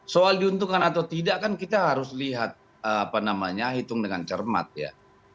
soal diuntungkan atau tidak kan kita harus lihat apa namanya hitung dengan cermat ya